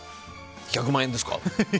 １００万円ですか？